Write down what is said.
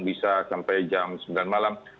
bisa sampai jam sembilan malam